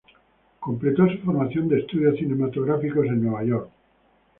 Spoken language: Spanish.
Completó su formación de Estudios Cinematográficos en Nueva York.